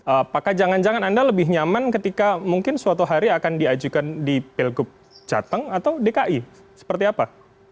apakah jangan jangan anda lebih nyaman ketika mungkin suatu hari akan diajukan di pilgub jateng atau dki seperti apa